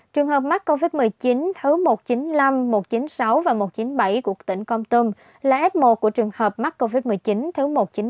trường hợp mắc covid một mươi chín thứ một trăm chín mươi năm một trăm chín mươi sáu và một trăm chín mươi bảy của tỉnh con tum là f một của trường hợp mắc covid một mươi chín thứ một trăm chín mươi ba